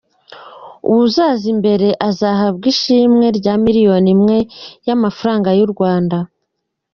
Uwo uzaza imbere azahabwa ishimwe rya miliyoni imwe y’amafaranga y’u Rwanda.